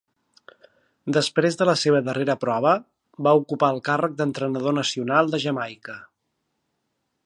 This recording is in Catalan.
Després de la seva darrera prova, va ocupar el càrrec d'entrenador nacional de Jamaica.